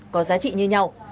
có giá trị như nhau